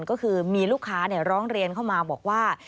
ก็คือมีลูกค้าร้องเรียนเข้ามาบอกว่า